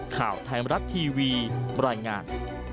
ข่าวไทยมรัฐทีวีบรรยายงาน